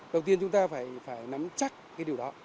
đầu tiên chúng ta phải nắm chắc cái điều đó